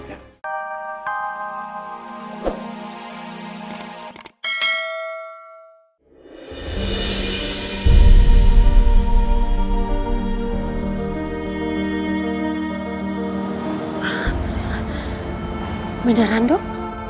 apa beneran dok